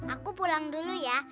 aku pulang dulu ya